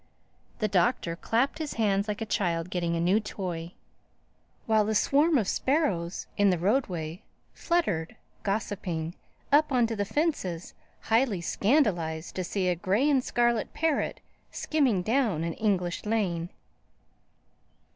The Doctor clapped his hands like a child getting a new toy; while the swarm of sparrows in the roadway fluttered, gossiping, up on to the fences, highly scandalized to see a gray and scarlet parrot skimming down an English lane.